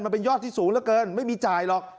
มันเป็นยอดที่สูงเหลือเกินไม่มีจ่ายหรอก